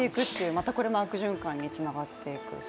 またこれも悪循環につながっていく。